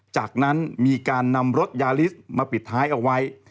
จากนั้นมีการนำรถยาลิสต์มาปิดท้ายเอาไว้